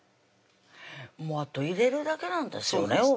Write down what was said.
もうあと入れるだけなんですよね